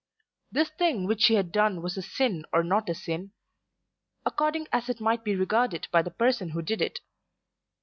This thing which she had done was a sin or not a sin, according as it might be regarded by the person who did it.